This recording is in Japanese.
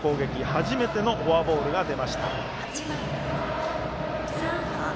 初めてのフォアボールが出ました。